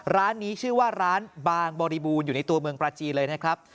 ร้านนี้ชื่อว่าร้านบางบริบูรณ์อยู่ในตัวเมืองปราจีนเลยนะครับ